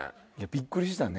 びっくりしたね。